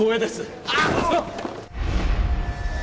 あっ！